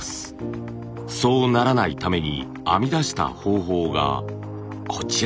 そうならないために編み出した方法がこちら。